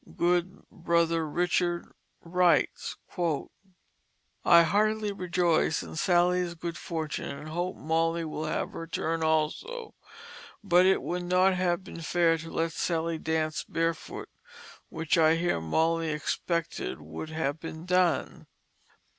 Good Brother Richard writes: "I heartily rejoice in Sally's good fortune and hope Molly will have her turn also, but it would not have been fair to let Sally dance barefoot which I hear Molly expected would have been done."